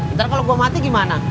ntar kalau gue mati gimana